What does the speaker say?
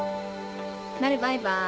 なるバイバーイ。